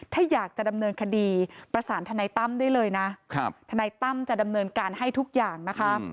ถ้าอยากจะดำเนินคดีประสานทนายตั้มได้เลยนะทนายตั้มจะดำเนินการให้ทุกอย่างนะคะ